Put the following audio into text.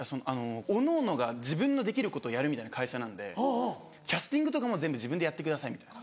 おのおのが自分のできることをやるみたいな会社なんでキャスティングとかも全部自分でやってくださいみたいな。